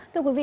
thưa quý vị